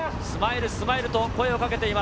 スマイル、スマイルだろ！